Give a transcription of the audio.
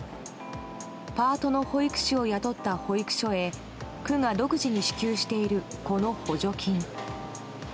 パートの保育士を雇った保育所へ区が独自に支給しているこの補助金。